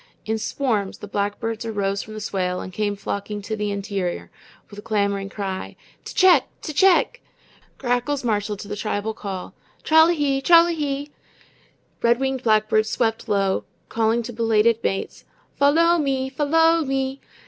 In swarms the blackbirds arose from the swale and came flocking to the interior, with a clamoring cry: "T'CHECK, T'CHECK." Grackles marshaled to the tribal call: "TRALL A HEE, TRALL A HEE." Red winged blackbirds swept low, calling to belated mates: "FOL LOW ME, FOL LOW ME."